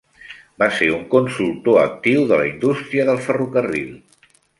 Va ser un consultor actiu de la indústria del ferrocarril.